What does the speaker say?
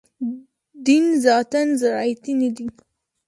دین ذاتاً زراعتي نه دی.